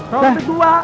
rawa bebek dua